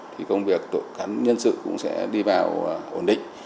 thì công việc tội khán nhân sự cũng sẽ đi vào ổn định